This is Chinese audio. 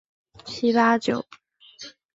云南山壳骨为爵床科山壳骨属的植物。